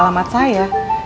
tapi saya gak tau ya